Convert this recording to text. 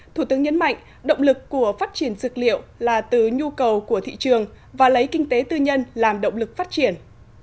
thủ tướng nhấn mạnh động lực của phát triển dược liệu là từ nhu cầu của thị trường và lấy kinh tế tư nhân làm động lực phát triển